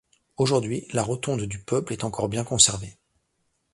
Aujourd'hui, la rotonde du temple est encore bien conservée.